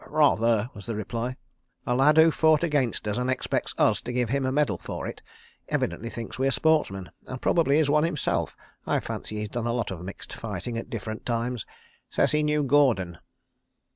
"Rather!" was the reply. "A lad who fought against us and expects us to give him a medal for it, evidently thinks we are sportsmen, and probably is one himself. I fancy he's done a lot of mixed fighting at different times. ... Says he knew Gordon.